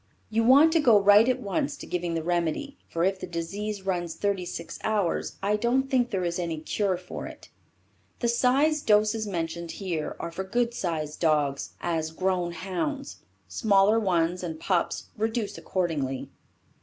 You want to go right at once to giving the remedy for if the disease runs 36 hours I don't think there is any cure for it. The size doses mentioned here are for good sized dogs as grown hounds. Smaller ones and pups reduce accordingly.